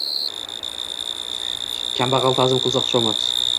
Kambag’al ta’zim qilsa-xushomad.